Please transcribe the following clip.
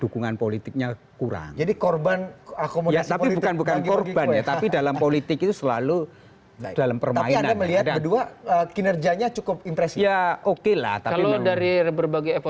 komposisi kabinet baru presiden jokowi